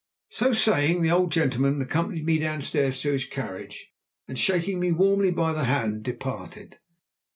So saying, the old gentleman accompanied me downstairs to his carriage, and, shaking me warmly by the hand, departed.